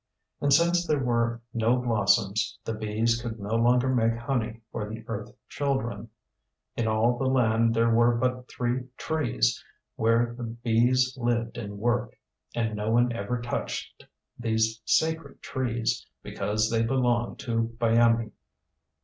And since there were no blossoms the bees could no longer make honey for the earth children. In all the land there were but three trees where the bees lived and worked; and no one ever touched these sacred trees, because they belonged to Byamee.